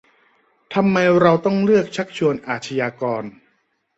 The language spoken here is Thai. ทำไมเราต้องเลือกชักชวนอาชญากร